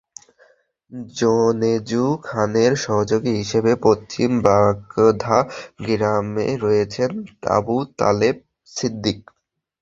জোনেজু খানের সহযোগী হিসেবে পশ্চিম বাগধা গ্রামে রয়েছেন আবু তালেব ছিদ্দিক।